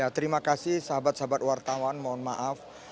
terima kasih sahabat sahabat wartawan mohon maaf